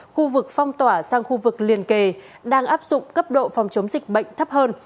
khu vực phong tỏa sang khu vực liền kề đang áp dụng cấp độ phòng chống dịch bệnh thấp hơn